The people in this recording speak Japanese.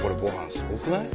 すごくない？